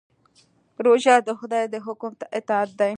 روژه د خدای د حکم اطاعت دی.